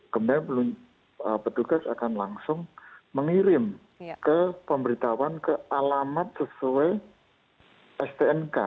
kemudian petugas akan langsung mengirim ke pemberitahuan ke alamat sesuai stnk